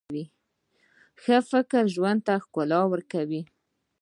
ښه فکر ژوند ته ښکلا ورکوي.